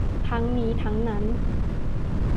ทั้งนี้ทั้งนั้น